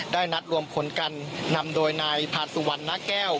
ได้นัดรวมค้นกันนำโดยนายภาษาสุวรรณน้าแก้ว